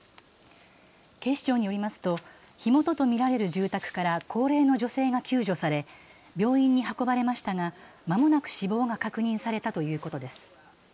警視庁によりますと火元と見られる住宅から高齢の女性が救助され病院に運ばれましたがまもなく死亡が確認されたということです。